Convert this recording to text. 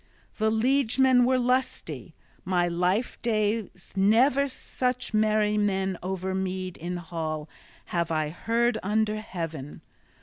The liegemen were lusty; my life days never such merry men over mead in hall have I heard under heaven!